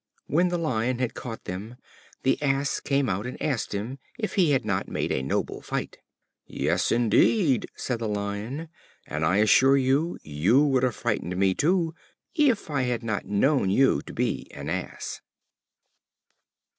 When the Lion had caught them, the Ass came out and asked him if he had not made a noble fight. "Yes, indeed," said the Lion; "and I assure you, you would have frightened me too, if I had not known you to be an Ass."